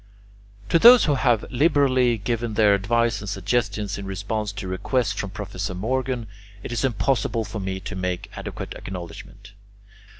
To those who have liberally given their advice and suggestions in response to requests from Professor Morgan, it is impossible for me to make adequate acknowledgment.